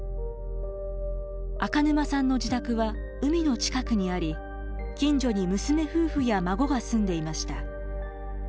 赤沼さんの自宅は海の近くにあり近所に娘夫婦や孫が住んでいました。